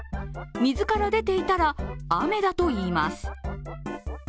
水から出ていたら雨だといいます。